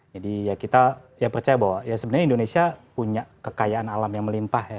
jadi ya kita ya percaya bahwa ya sebenarnya indonesia punya kekayaan alam yang melimpah ya